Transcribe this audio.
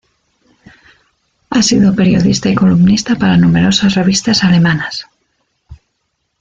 Ha sido periodista y columnista para numerosas revistas alemanas.